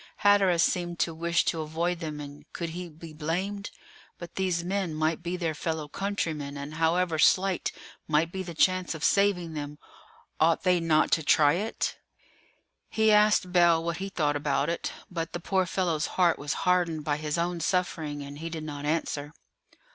Hatteras seemed to wish to avoid them, and could he be blamed? But these men might be their fellow countrymen, and, however slight might be the chance of saving them, ought they not to try it? He asked Bell what he thought about it, but the poor fellow's heart was hardened by his own suffering, and he did not answer.